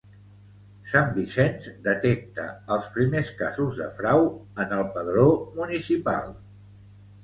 Sant Vicenç detecta els primers casos de frau en el padró municipal